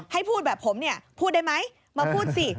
ให้พูดแบบผมเนี่ยพูดได้ไหมมาพูดสิ